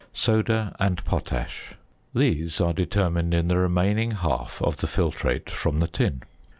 ~Soda and Potash.~ These are determined in the remaining half of the filtrate from the tin.